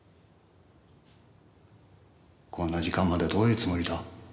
こんな時間までどういうつもりだ？